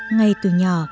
ngay từ nhỏ